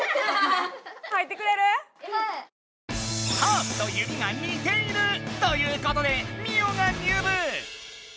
ハープと弓が似ている！ということでミオが入部！